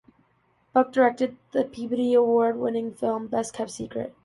Buck directed the Peabody Award winning film "Best Kept Secret".